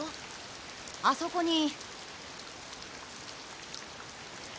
あそこに。